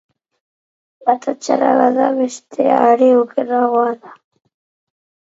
Bata txarra bada, bestea are okerragoa da.